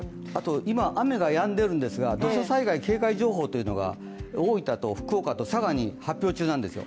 今、雨がやんでいるんですが、土砂災害警戒情報というのが大分と福岡と佐賀に発表中なんですよ。